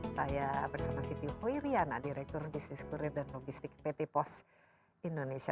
saya bersama siti hoiriana direktur bisnis kurir dan logistik pt pos indonesia